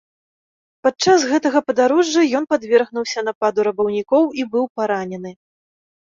Падчас гэтага падарожжа ён падвергнуўся нападу рабаўнікоў і быў паранены.